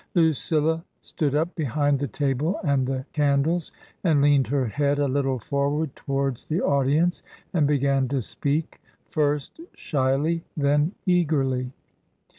Lucilla stood up behind the table and the candles, and leaned her head a little forward towards the audience and began to speak, first shyly, then eagerly.